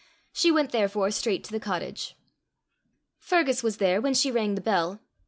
She went therefore straight to the cottage. Fergus was there when she rang the bell. Mr.